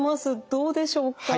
どうでしょうか？